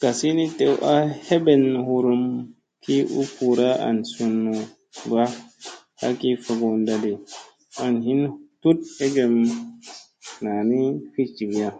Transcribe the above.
Gazi ni tew a heben hurum ki u puura an sunu mba ha ki fogondani an hin tut egem naani fi jivira.